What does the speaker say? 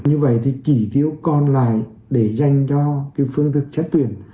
như vậy thì chỉ tiêu còn lại để dành cho phương thức xét tuyển